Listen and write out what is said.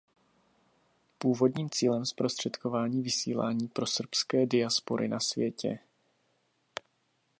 Původním cílem zprostředkování vysílání pro srbské diaspory na světě.